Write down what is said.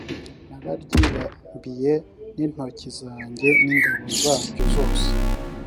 nararyibambiye n intoki zanjye n ingabo zaryo zose